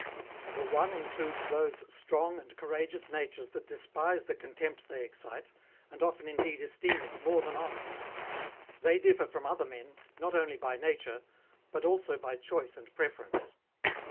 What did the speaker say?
The one includes those strong and courageous natures that despise the contempt they excite, and often indeed esteem it more than honour. They differ from other men, not only by nature, but also by choice and preference.